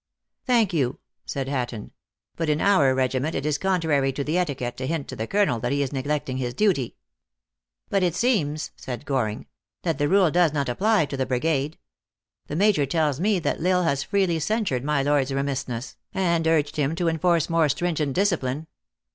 " Thank you, said Hatton. But in our regiment, it is contrary to the etiquette to hint to the colonel that he is neglecting his duty." " But it seems," said Goring, " that the rule does not apply to the brigade. The major tells me that L Isle has freely censured my lord s remissness, and urged him to enforce more stringent discipline."